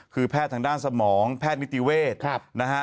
คือแพทย์ทางด้านสมองแพทย์นิติเวศนะฮะ